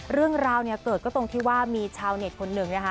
เรื่องราวเนี่ยเกิดก็ตรงที่ว่ามีชาวเน็ตคนหนึ่งนะคะ